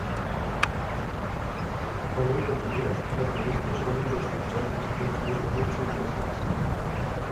Avui en dia, les revistes són un dels mitjans escrits més venuts i llegits.